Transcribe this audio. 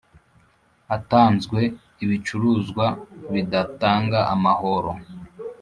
atanzwe Ibicuruzwa bidatanga amahoro